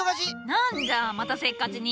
なんじゃまたせっかちに！